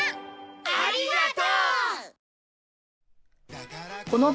ありがとう！